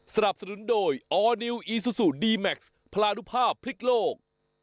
สนับสนุนโดยออร์นิวอีซูซูดีแม็กซ์พลานุภาพพริกโลก